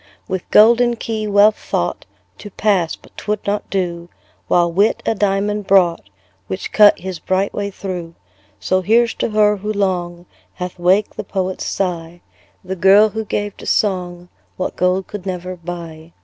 With golden key Wealth thought To pass but 'twould not do: While Wit a diamond brought, Which cut his bright way through. So here's to her, who long Hath waked the poet's sigh, The girl, who gave to song What gold could never buy.